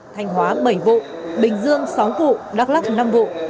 thanh hóa bảy vụ bình dương sáu vụ đắk lắc năm vụ